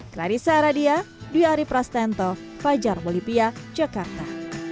clarissa aradia dwi arief rastento fajar bolivia jakarta